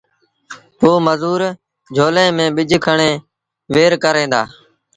پو مزور جھولي ميݩ ٻج کڻي وهير ڪريݩ دآ